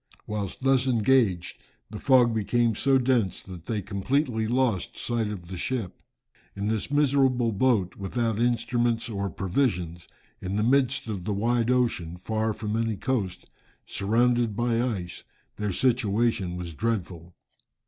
Whilst thus engaged, the fog became so dense, that they completely lost sight of the ship. In this miserable boat, without instruments or provisions, in the midst of the wide ocean, far from any coast, surrounded by ice, their situation was dreadful.